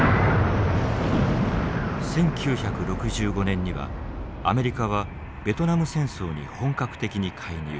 １９６５年にはアメリカはベトナム戦争に本格的に介入。